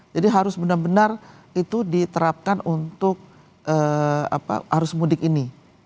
jadi harus benar benar itu diterapkan untuk arus mudik ini